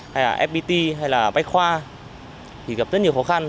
hay là fpt hay là bách khoa thì gặp rất nhiều khó khăn